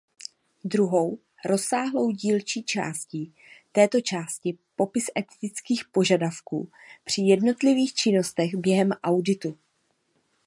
Druhou rozsáhlou dílčí částí této části popis etických požadavků při jednotlivých činnostech během auditu.